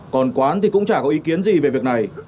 còn quán thì cũng chả có ý kiến gì về việc này